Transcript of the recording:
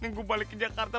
aduh karin tungguin karin